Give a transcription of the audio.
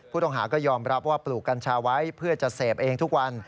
ผู้ต้องหาก็ยอมรับว่าปลูกกัญชาไว้เพื่อจะเสพเองทุกวัน